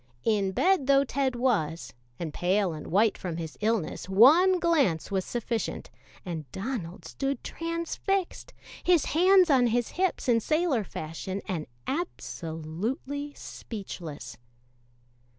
In bed though Ted was, and pale and white from his illness, one glance was sufficient, and Donald stood transfixed, his hands on his hips in sailor fashion and absolutely speechless.